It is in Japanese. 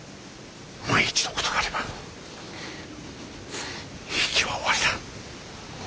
万一のことがあれば比企は終わりだ。